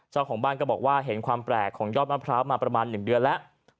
เจ้าของบ้านก็บอกว่าเห็นความแปลกของยอดมะพร้าวมาประมาณ๑เดือนแล้ว